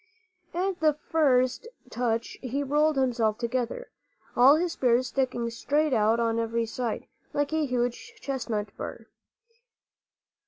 At the first touch he rolled himself together, all his spears sticking straight out on every side, like a huge chestnut bur.